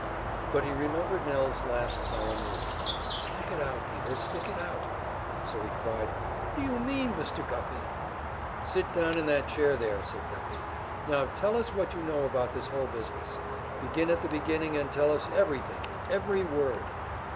But he remembered Nell's last solemn words: "Stick it out, Peter; stick it out!" So he cried: "What do you mean, Mr. Guffey?" "Sit down in that chair there," said Guffey. "Now, tell us what you know about this whole business. Begin at the beginning and tell us everything every word."